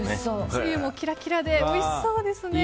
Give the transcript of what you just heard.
つゆもキラキラでおいしそうですね。